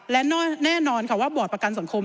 และแน่นอนค่ะว่าบอร์ดประกันสังคม